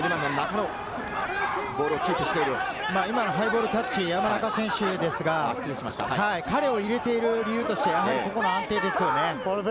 今のハイボールキャッチ、山中選手、彼を入れている理由として、ここの安定ですよね。